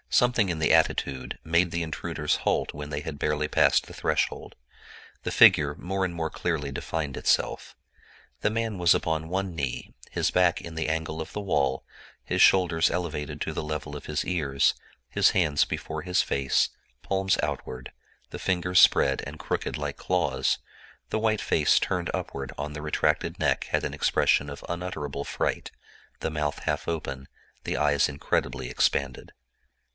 Something in the attitude made the intruders halt when they had barely passed the threshold. The figure more and more clearly defined itself. The man was upon one knee, his back in the angle of the wall, his shoulders elevated to the level of his ears, his hands before his face, palms outward, the fingers spread and crooked like claws; the white face turned upward on the retracted neck had an expression of unutterable fright, the mouth half open, the eyes incredibly expanded.